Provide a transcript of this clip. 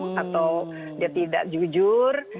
atau dia tidak jujur